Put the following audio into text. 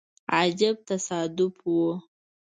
عجیب تصادف وو.